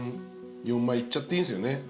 ３４枚いっちゃっていいんすよね？